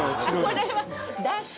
これはだし。